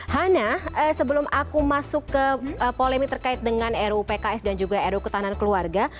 hana sebelum aku masuk ke polemik terkait dengan ruu pks dan juga ruu ketahanan keluarga